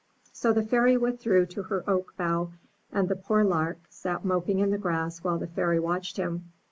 So the Fairy withdrew to her oak bough, and the poor Lark sat moping in the grass while the Fairy watched him.